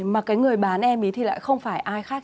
mà cái người bán em ấy thì lại không phải ai khác